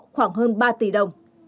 khoảng hơn ba tỷ đồng